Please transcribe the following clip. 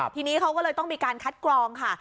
ทีนี้เขาก็เลยต้องมีการคัดกรองค่ะ